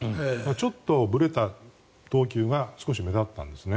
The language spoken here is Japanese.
ちょっとぶれた投球が少し目立ったんですね。